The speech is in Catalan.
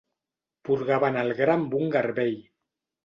Porgaven el gra amb un garbell.